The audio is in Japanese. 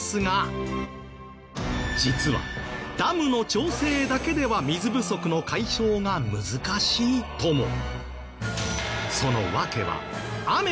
実はダムの調整だけでは水不足の解消が難しいとも。